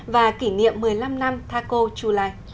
và kỷ niệm một mươi năm năm tha cô chu lai